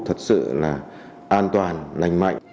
thật sự an toàn lành mạnh